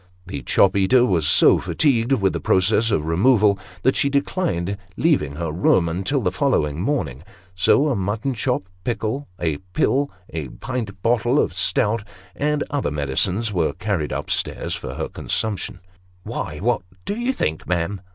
The chop eater was so fatigued with the process of removal that she declined leaving her room until the following morning ; so a mutton chop, pickle, a pill, a pint bottle of stout, and other medicines, were carried up stairs for her consumption. 222 Sketches by Bos. " Why, what do you think, ma'am